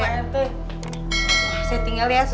wah saya tinggal ya sester